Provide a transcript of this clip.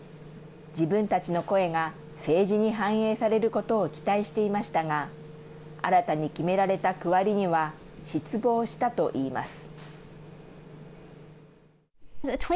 自分たちの声が政治に反映されることを期待していましたが新たに決められた区割りには失望したといいます。